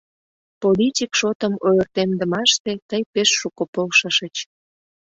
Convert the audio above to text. — Политик шотым ойыртемдымаште тый пеш шуко полшышыч.